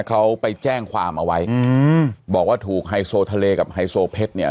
เขาไปแจ้งความเอาไว้อืมบอกว่าถูกไฮโซทะเลกับไฮโซเพชรเนี่ย